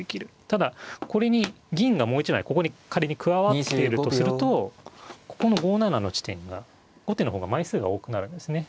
ただこれに銀がもう一枚ここに仮に加わってるとするとここの５七の地点が後手の方が枚数が多くなるんですね。